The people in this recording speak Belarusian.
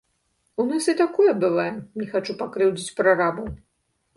У нас і такое бывае, не хачу пакрыўдзіць прарабаў.